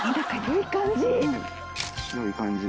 良い感じ！